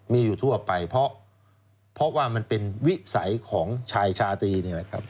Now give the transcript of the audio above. มีอยู่ทั่วไปเพราะว่ามันเป็นวิสัยของชายชาตรีนี่แหละครับ